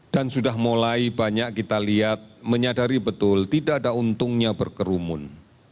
dan sudah mulai banyak kita lihat menyadari betul tidak ada untungnya berkerumun